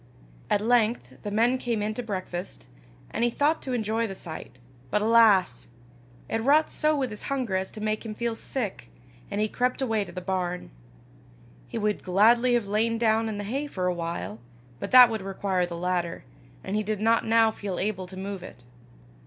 At length the men came in to breakfast, and he thought to enjoy the sight; but, alas! it wrought so with his hunger as to make him feel sick, and he crept away to the barn. He would gladly have lain down in the hay for a while, but that would require the ladder, and he did not now feel able to move it.